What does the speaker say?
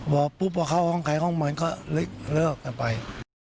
บอกปุ๊บว่าเข้าห้องใครห้องมันก็เลิกกันไป